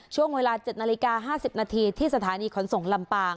ช่วงเวลาเจ็ดนาฬิกาห้าสิบนาทีที่สถานีขนส่งลำปาง